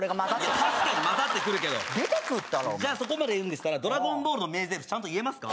確かにまざってくるけど出てくんだろじゃあそこまで言うんでしたら「ドラゴンボール」の名ゼリフちゃんと言えますか？